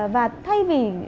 và thay vì